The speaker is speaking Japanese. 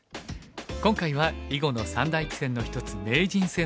今回は囲碁の三大棋戦の一つ名人戦の特集です。